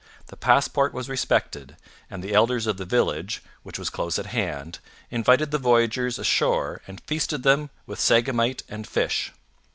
The passport was respected and the elders of the village, which was close at hand, invited the voyagers ashore and feasted them with sagamite and fish.